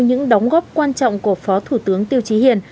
những đóng góp quan trọng của phó thủ tướng tiêu trí hiền